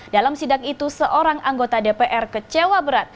dalam sidak itu seorang anggota dpr kecewa berat